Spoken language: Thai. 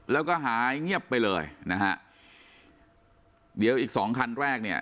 แล้วก็หายเงียบไปเลยนะฮะเดี๋ยวอีกสองคันแรกเนี่ย